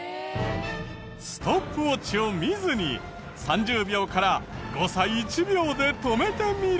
ストップウォッチを見ずに３０秒から誤差１秒で止めてみろ！